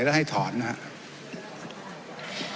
แล้วให้ถอนนะครับ